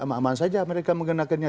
bukan saja mereka mengenakannya